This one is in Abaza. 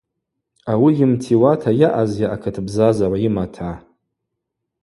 Ауи йымтиуата йаъазйа акытбзазагӏв йымата.